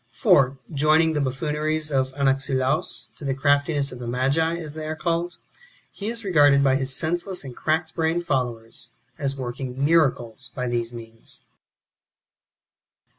For, joining the buffooneries of Anaxilaus"^ to the craftiness of the ma(ji, as they are called, he is regarded by his senseless and crack brained followers as working miracles by these means.